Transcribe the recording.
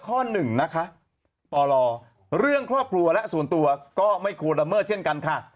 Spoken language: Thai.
ข้อหนึ่งนะคะปลเรื่องครอบครัวและส่วนตัวก็ไม่ควรละเมิดเช่นกันค่ะ